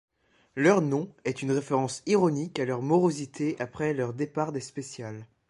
Leur nom est une référence ironique à leur morosité après leur départ des Specials.